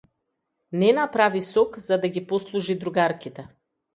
Нена прави сок за да ги послужи другарките.